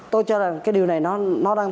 tôi cho rằng cái điều này nó đang